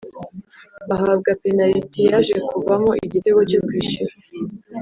bahabwa penaliti , yaje kuvamo igitego cyo kwishyura